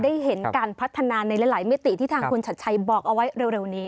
ได้เห็นการพัฒนาในหลายมิติที่ทางคุณชัดชัยบอกเอาไว้เร็วนี้